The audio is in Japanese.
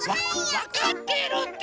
わかってるって！